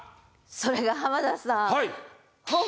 それが浜田さん。